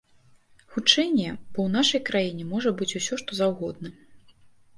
Хутчэй не, бо ў нашай краіне можа быць усё, што заўгодна.